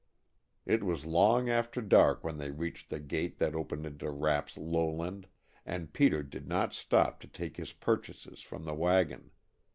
It was long after dark when they reached the gate that opened into Rapp's lowland, and Peter did not stop to take his purchases from the wagon.